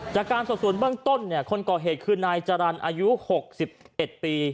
จากการสอบส่วนเบื้องต้นคนก่อเหตุคือนายจรรย์อายุ๖๑ปี